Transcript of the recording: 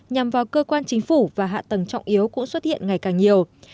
nhằm vào cơ quan chính phủ và hạ tầng trọng yếu cũng xuất hiện ngày càng nhiều